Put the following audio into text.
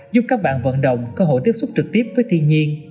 giúp các bạn vận động cơ hội tiếp xúc trực tiếp với thiên nhiên